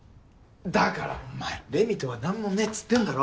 だからお前レミとは何もねぇつってんだろ。